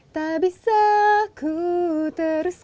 tak bisa ku teruskan